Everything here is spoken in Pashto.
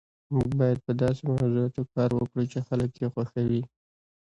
موږ باید په داسې موضوعاتو کار وکړو چې خلک یې خوښوي